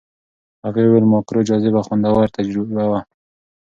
هغې وویل ماکرو جاذبه خوندور تجربه وه.